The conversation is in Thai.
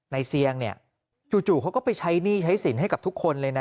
เซียงเนี่ยจู่เขาก็ไปใช้หนี้ใช้สินให้กับทุกคนเลยนะ